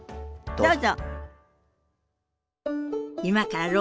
どうぞ。